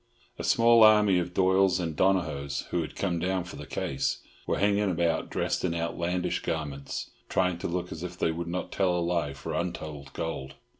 A small army of Doyles and Donohoes, who had come down for the case, were hanging about dressed in outlandish garments, trying to look as if they would not tell a lie for untold gold.